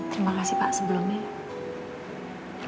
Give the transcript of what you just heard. terima kasih pak sebelumnya